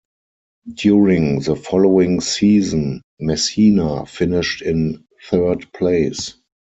During the following season, Messina finished in third place.